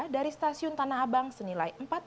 dari stasiun tanah abang senilai rp empat